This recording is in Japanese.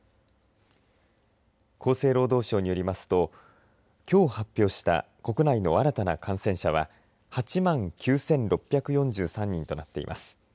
厚生労働省によりますときょう発表した国内の新たな感染者は８万９６４３人となっています。